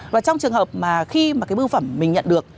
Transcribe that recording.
và trong trường hợp mà khi mà cái bưu phẩm mình nhận được